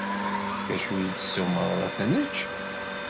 D acu ara d-tessumreḍ ad t-nečč?